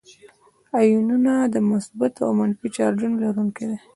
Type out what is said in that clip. آیونونه د مثبتو او منفي چارجونو لرونکي دي.